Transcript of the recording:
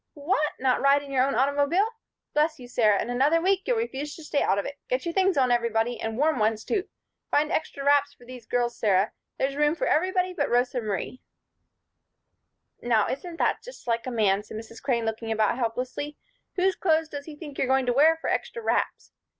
"What! Not ride in your own automobile? Bless you, Sarah, in another week you'll refuse to stay out of it. Get your things on, everybody; and warm ones, too. Find extra wraps for these girls, Sarah. There's room for everybody but Rosa Marie." "Now, isn't that just like a man?" said Mrs. Crane, looking about helplessly. "Whose clothes does he think you're going to wear for 'extra wraps'?